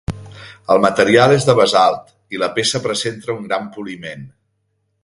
El material és de basalt, i la peça presenta un gran poliment.